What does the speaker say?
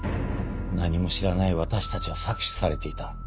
何も知らない私たちは搾取されていた。